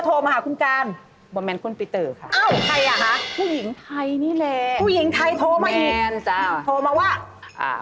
โทรมาว่า